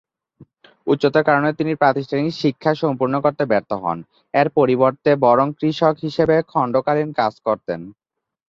উচ্চতার কারণে তিনি প্রাতিষ্ঠানিক শিক্ষা সম্পূর্ণ করতে ব্যর্থ হন, এর পরিবর্তে বরং কৃষক হিসেবে খণ্ডকালীন কাজ করতেন।